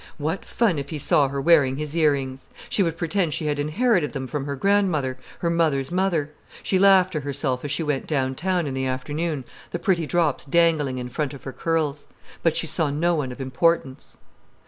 What fun, if he saw her wearing his ear rings! She would pretend she had inherited them from her grandmother, her mother's mother. She laughed to herself as she went down town in the afternoon, the pretty drops dangling in front of her curls. But she saw no one of importance.